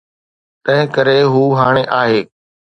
تنهنڪري هو هاڻي آهي.